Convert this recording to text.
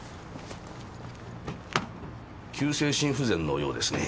急性心不全のようですね。